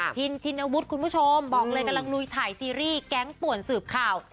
ชินชินวุฒิคุณผู้ชมบอกเลยกำลังลุยถ่ายซีรีส์แก๊งป่วนสืบข่าว